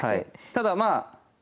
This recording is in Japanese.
ただまあ